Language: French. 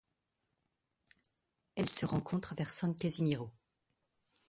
Elle se rencontre vers San Casimiro.